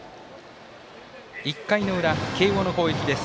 １回の裏、慶応の攻撃です。